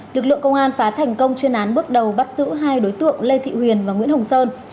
lực lượng công an phá thành công chuyên án bước đầu bắt giữ hai đối tượng lê thị huyền và nguyễn hồng sơn